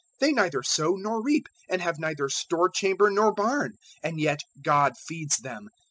They neither sow nor reap, and have neither store chamber nor barn. And yet God feeds them.